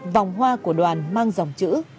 vòng hoa của đoàn mang dòng chữ